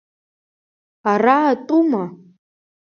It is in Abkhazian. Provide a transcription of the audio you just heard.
Араатәума?